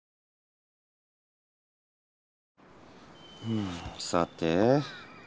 うんさて。